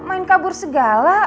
main kabur segala